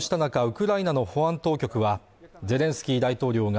こうした中ウクライナの保安当局はゼレンスキー大統領が